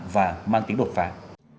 và mang tính đột phản